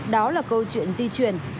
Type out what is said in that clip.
đó là câu chuyện di chuyển